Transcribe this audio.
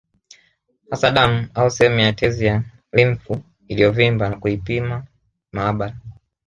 Hasa damu au sehemu ya tezi ya limfu iliyovimba na kuipima maabara